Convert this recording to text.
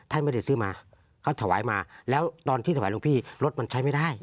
ท่านไม่ได้ซื้อมาเขาถวายมาแล้วตอนที่ถวายหลวงพี่รถมันใช้ไม่ได้